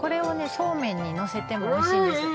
そうめんにのせてもおいしいんですああ